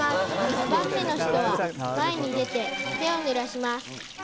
２番目の人は前に出て手を濡らします。